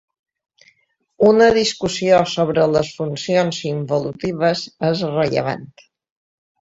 Una discussió sobre les funcions involutives és rellevant.